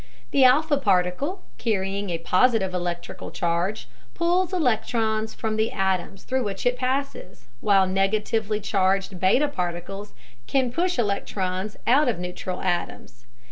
The alpha particle, carrying a positive electrical charge, pulls electrons from the atoms through which it passes, while negatively charged beta particles can push electrons out of neutral atoms.